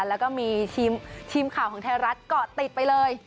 แล้วก็มีทีมข่าวของไทยรัฐเกาะติดไปเลย